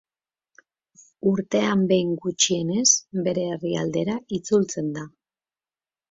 Urtean behin, gutxienez, bere herrialdera itzultzen da.